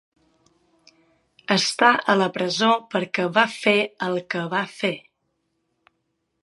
Està a la presó perquè va fer el que va fer.